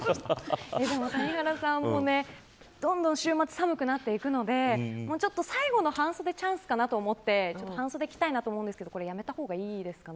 谷原さんどんどん週末寒くなっていくので最後の半袖チャンスかもと思って半袖を着たいなと思うんですけどやめたほうがいいですかね。